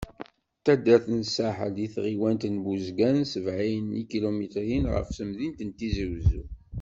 D taddart n Saḥel, di tɣiwant n Buzgan sebεin n yikilumitren ɣef temdint n Tizi Uzzu.